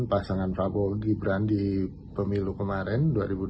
pasangan prabowo gibran di pemilu kemarin dua ribu dua puluh